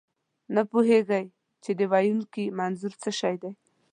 نه پوهېږئ، چې د ویونکي منظور څه دی.